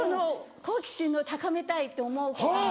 好奇心高めたいって思うから。